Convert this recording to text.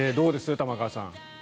玉川さん。